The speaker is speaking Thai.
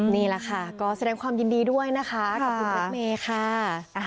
นี่แหละค่ะก็แสดงความยินดีด้วยนะคะขอบคุณรถเมย์ค่ะ